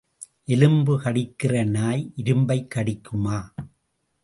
எலும்பு கடிக்கிற நாய் இரும்பைக் கடிக்குமா?